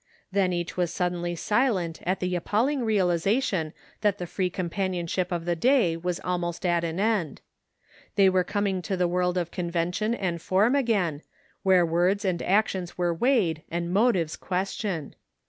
Then each was suddenly silent at the appalling realization that the free companionship of the day was almost at an end. They were coming to the world of convention and form again, where words and actions were weighed and motives questioned.